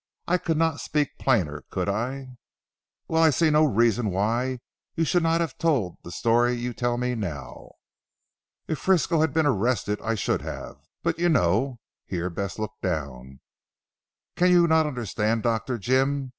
I could not speak plainer could I?" "Well, I see no reason why you should not have told the story you tell me now." "If Frisco had been arrested I should have. But you know," here Bess looked down, "can you not understand Dr. Jim?